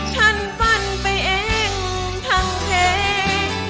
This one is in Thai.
ฉันปั้นไปเองทั้งเพลง